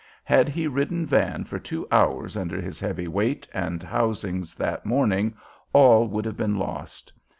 Had he ridden Van for two hours under his heavy weight and housings that morning, all would have been lost.